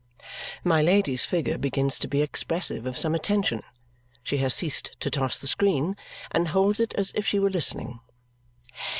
My Lady's figure begins to be expressive of some attention. She has ceased to toss the screen and holds it as if she were listening.